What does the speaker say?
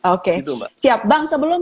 oke siap bang sebelum